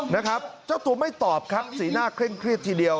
นะครับเจ้าตัวไม่ตอบครับสีหน้าเคร่งเครียดทีเดียว